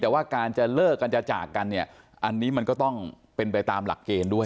แต่ว่าการจะเลิกกันจะจากกันเนี่ยอันนี้มันก็ต้องเป็นไปตามหลักเกณฑ์ด้วย